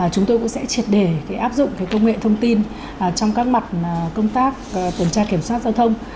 chúng tôi cũng sẽ triệt đề áp dụng công nghệ thông tin trong các mặt công tác tuần tra kiểm soát giao thông